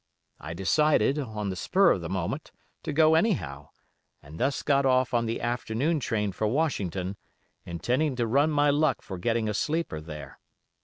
I decided, on the spur of the moment, to go, anyhow, and thus got off on the afternoon train for Washington, intending to run my luck for getting a sleeper there.